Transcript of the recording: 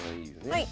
はい。